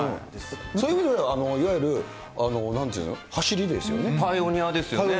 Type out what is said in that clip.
そういう意味ではいわゆる、なんていうの、はしりですよね。